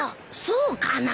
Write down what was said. そうかな。